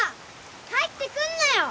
入ってくんなよ！